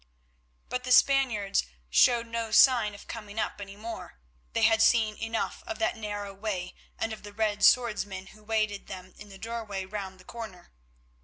But the Spaniards showed no sign of coming up any more; they had seen enough of that narrow way and of the red swordsman who awaited them in the doorway round the corner.